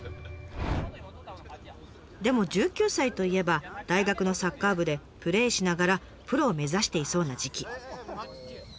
でも１９歳といえば大学のサッカー部でプレーしながらプロを目指していそうな時期。